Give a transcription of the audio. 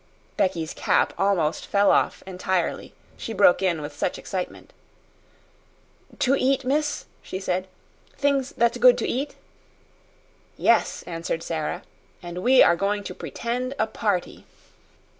Becky's cap almost fell off entirely, she broke in with such excitement. "To eat, miss?" she said. "Things that's good to eat?" "Yes," answered Sara, "and we are going to pretend a party."